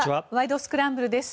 スクランブル」です。